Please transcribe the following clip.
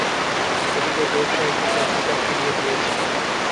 এটিকে বেশ কয়েকটি পত্রিকা ফিরিয়ে দিয়েছিল।